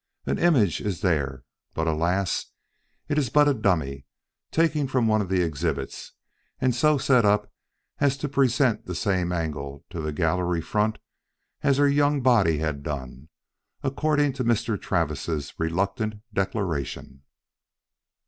An image is there, but alas! it is but a dummy taken from one of the exhibits and so set up as to present the same angle to the gallery front as her young body had done, according to Mr. Travis' reluctant declaration.